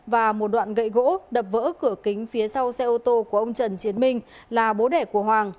và một đoạn gậy gỗ đập vỡ cửa kính phía sau xe ô tô của ông trần chiến minh là bố đẻ của hoàng